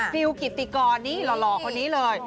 ฟิลกิติกรนี่หล่อคนนี้เลย